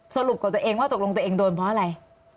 สรุปกับตัวเองว่าตกลงตัวเองโดนเพราะอะไร